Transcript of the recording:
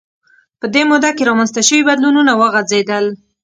په دې موده کې رامنځته شوي بدلونونه وغځېدل